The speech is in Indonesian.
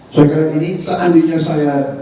sekarang ini seandainya saya